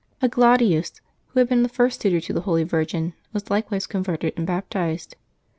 Agladius, who had been the first suitor to the holy virgin, was likewise converted and baptized.